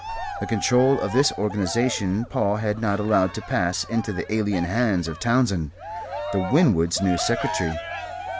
The control of this organization Paul had not allowed to pass into the alien hands of Townsend, the Winwoods' new secretary.